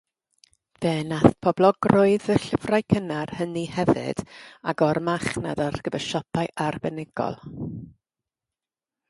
Fe wnaeth poblogrwydd y llyfrau cynnar hynny hefyd agor marchnad ar gyfer siopau arbenigol.